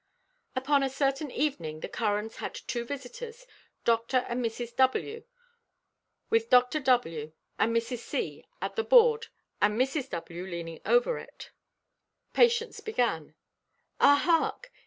Upon a certain evening the Currans had two visitors, Dr. and Mrs. W. With Dr. W. and Mrs. C. at the board and Mrs. W. leaning over it, Patience began: "Ah, hark!